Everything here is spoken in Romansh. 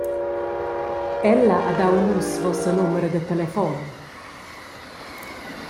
Ella ha dau a nus vossa numera da telefon.